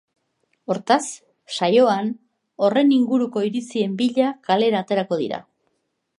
Hortaz, saioan horren inguruko iritzien bila kalera aterako dira.